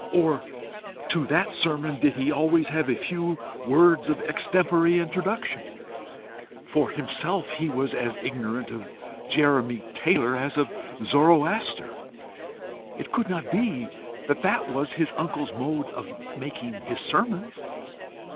Or to that sermon did he always have a few words of extempore introduction? For himself he was as ignorant of Jeremy Taylor as of Zoroaster. It could not be that that was his uncle's mode of making his sermons?